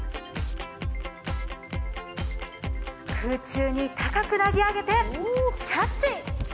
空中に高く投げ上げてキャッチ！